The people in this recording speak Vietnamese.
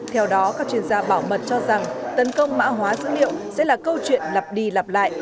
theo đó các chuyên gia bảo mật cho rằng tấn công mã hóa dữ liệu sẽ là câu chuyện lặp đi lặp lại